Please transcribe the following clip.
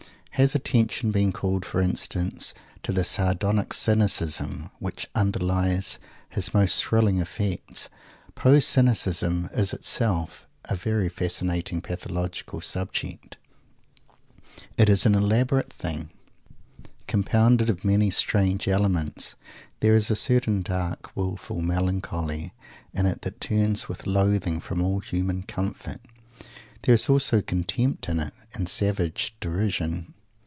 Has attention been called, for instance, to the sardonic cynicism which underlies his most thrilling effects? Poe's cynicism is itself a very fascinating pathological subject. It is an elaborate thing, compounded of many strange elements. There is a certain dark, wilful melancholy in it that turns with loathing from all human comfort. There is also contempt in it, and savage derision.